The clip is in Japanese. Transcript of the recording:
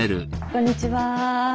こんにちは。